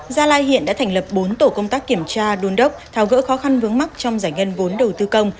gia lai hiện đã thành lập bốn tổ công tác kiểm tra đôn đốc tháo gỡ khó khăn vướng mắt trong giải ngân vốn đầu tư công